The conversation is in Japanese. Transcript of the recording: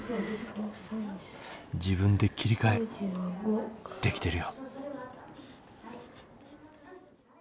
自分で切り替えできてるよ。